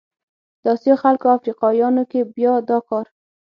د اسیا خلکو او افریقایانو کې بیا دا کار